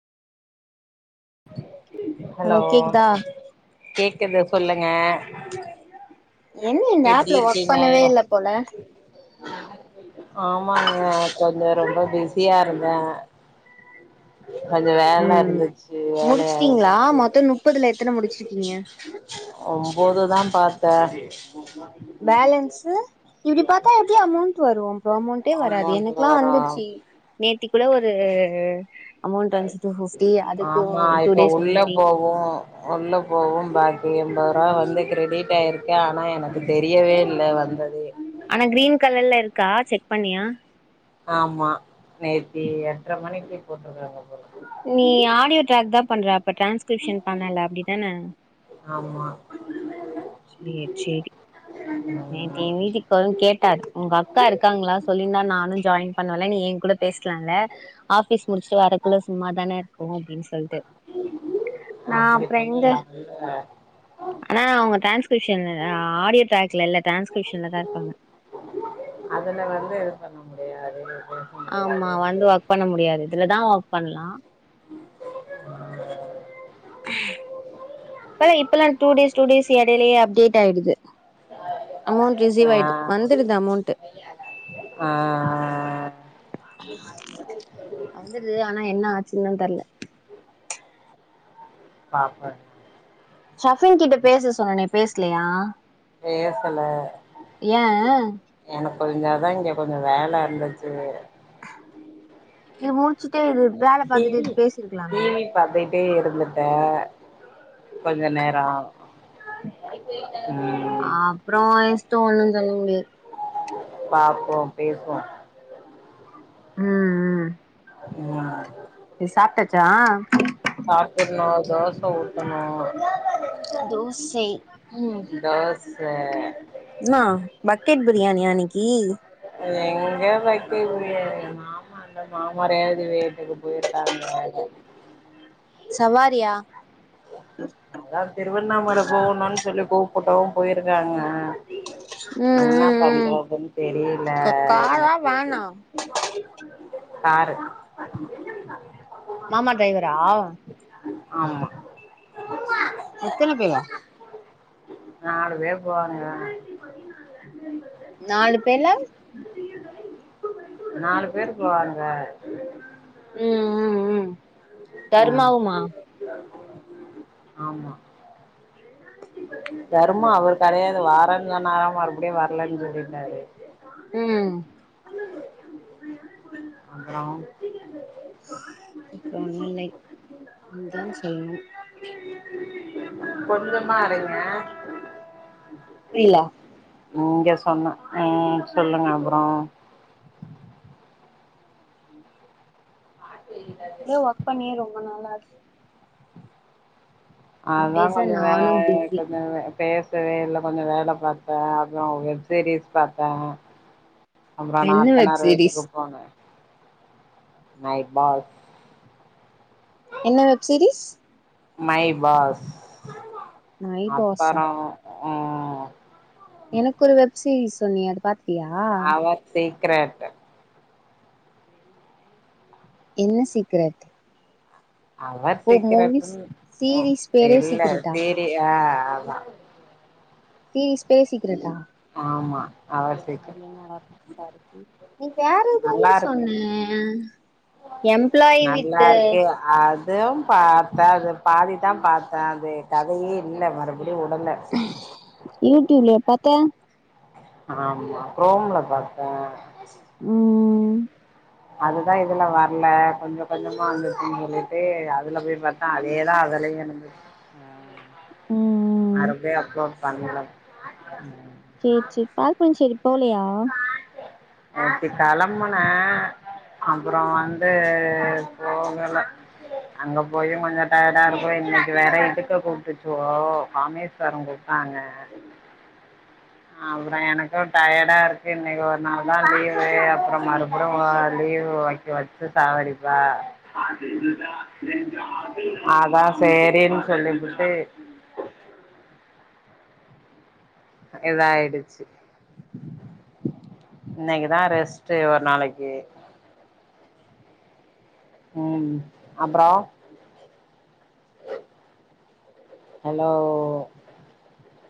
Hello கேக்குது சொல்லுங்க என்ன இந்த எப்டி ஆப்ல ஒர்க் இருக்கீங்க பண்ணவே இல்ல போல ஆமாங்க கொஞ்ச ரொம்ப பிஸியா இருந்தே கொஞ்ச வேல ம் இருந்துச்சு வேலையா முடிச்சுட்டீங்களா ஆயிடுச்சு மொத்தோ முப்பதுல எத்தன முடிச்சிருக்கீங்க ஒம்போதுதா பாத்தே பேலன்ஸு இப்டி பாத்தா எப்டி அமௌண்ட் வரு அமௌண்டே வராது அமௌண்ட் எனக்குல்லா வரு வந்துச்சு நேத்திக்குள்ள ஒரு அமௌண்ட் வந்ச்சு டூ ஃபிஃப்டி அதுக்கு டூ டேஸ் முன்னாடி ஒவோ உள்ள போகவு பாக்கி என்பது ரூபா வந்து கிரெடிட் ஆயிருக்கு ஆனா எனக்கு தெரியவே இல்ல வந்தது ஆனா கிரீன் கலர்ல இருக்கா செக் பண்ணியா ஆமா நேத்தி எட்ர மணிக்கு போட்டிருக்காங்க போல நீ ஆடியோ ட்ராக் தா பண்ற அப்ப டிரான்ஸ்கிரிப்ஷன் பண்ணல அப்டிதானே ஆமா சேர் சேரி ம் எ வீட்டுக்காரு கேட்டாரு உங்க அக்கா இருக்காங்களா சொல்லிந்தா நானு ஜாயின் பண்வெல நீ எ கூட பேச்லால ஆஃபிஸ் முடிச்டு வரக்குள்ள சும்மாதானே இருக்கு அப்டின் சொல்ட்டு நா அப்டி அப்றோ எங்க பண்ணாலாமல்ல ஆனா அவங்க டிரான்ஸ்க்ரிப்ஷன் ஆடியோ ட்ராக்ல இல்ல டிரான்ஸ்க்ரிப்ஷன்ல தா இருக்காங்க அதுல வந்து இ பண்ண முடியாது இது ஆமா வந்து ஒர்க் பண்ண முடியாது இதுலதா ஒர்க் பண்லா ஏ இப்பல்லா டூடேஸ் டூடேஸ் இடையிலயே அப்டேட் ஆயிடுது அமௌண்ட் ரிசீவ் ஆயிது வந்துடுது அமௌண்ட்டு ஆ அ வந்துடுது ஆனா என்ன ஆச்சுன் தா தெர்ல பாப்ப ஷஃபின் கிட்ட பேசு சொன்னனே பேச்லையா பேசல எனக்கு இங்க அதா இங்க கொஞ்ச அதா இங்க கொஞ்ச வேல இருந்துச்சு இது முடிச்சுட்டே இது வேல பாத்துட்டு இது பேசிருக்கலாமே பாத்துட்டே இருந்துட்டே கொஞ்ச நேரோ ம் அப்புறோ உ இஸ்டொ ஒண்ணு சொல்லமுடியாது பாப்போ பேசுவோ ம் ம் வா இது சாப்ட்டாச்சா சாப்ட்ணு தோச ஊத்தணு தோசை ம் ச என்னா பக்கெட் பிரியாணியா அன்னைக்கி எங்க பக்கெட் பிரியாணி நா அந்த மாமா ரேவதி வீட்டுக்கு போயிருக்காங்க சவாரியா அதா திருவண்ணாமலை போகணுன்னு சொல்லி கூப்ட்டவு போயிருக்காங்க ம் என்ன ம் ம் பண்றதுன்னு தெரியல க காரா இன்னக்கி வேனா காரு மாமா டிரைவரா ஆமா எத்தன பேரு நாலு பேர் போவாங்க நாலு பேர்ல நாலு பேரு போவாங்க ம் ம் ம் ம் தர்மாவுமா ஆமா தர்மா அவர் கெடையாது வாறேன் சொன்னாரா மறுபடியு வரலன்னு சொல்லிட்டாரு ம் அப்பறோ ஒன்னு இல்லை நீ தான் சொல்லணு கொஞ்சமா அரைங்க புரில இங்க சொன்னே ம் சொல்லுங்க அப்பறோ பாட்டு ஏரியல இங்கயே ஒர்க் பண்ணியே ரொம்ப நாள் ஆச்சி டூ அதா டேஸா கொஞ்சோ வே நானு பிஸி கொஞ்சோ வே பேசவே இல்ல கொஞ்சோ வேலை பாத்தோ அப்பறோ வெப்சீரிஸ் பாத்தோ அப்பறோ என்ன வெப் நாத்தநார் சீரிஸ் வீட்டுக்கு போனே நைட் பாய் என்ன web series my boss my பாஸா அப்பறோ ம் எனக்கு ஒரு வெப் சீரிஸ் சொன்னியே அது பாத் அவர் சீக்ரெட் என்ன சீக்ரெட் அவர் ஓ மூவிஸ் சீக்ரெட்ன்னு சீரீஸ் பேரே இல்ல சீக்ரெட்டா சீரி ஆ ஆமா சீரிஸ் பேரு சீக்ரெட்டா ஆமா அவர் இது சீக்ரெட். என்னடா புதுசா இருக்கு நீ வேற தான நல்லாருக்கு. சொன்ன எம்ப்ளாய் வித்து அதுவு பாத்தே அது பாதிதா பாத்தே அது கதயே இல்ல மறுபடியு வுடல யூடியூப்லயா பாத்த ஆமா குரோம்ல பாத்த ம் அதுதா இதுல வர்ல கொஞ்சோ கொஞ்சமா வந்துருச்சுன் சொல்லிட்டு அதுல போய் பாத் அதேதா அதுலயும் எனகு ம் மறுபடியு எப்ப பண்ல செர் செர் பால்பனு சேரி போலையா நேத்தே கேலம்பன அப்புறோ வந்து போகல அங்க போயு கொஞ்சோ டயர்டா இருக்கு இன்னைக்கி வேற இதுக்க கூப்டுச்சுவு கமேஸ் தரு குட்த்தாங்க அ அப்புறோ எனக்கு டயர்டா இருக் கு இன்னைக்கி ஒரு நாள் தா லீவு அப்புறம் மறுபுறவு லீவு வாக்கி வச்சு சாவடிப்பா அதா சேரின் சொல்லிபுட்டு இதாயிடுச்சு இன்னைக்கிதா ரெஸ்ட்டு ஒரு நாளைக்கி ம் அப்புறோ ஹலோ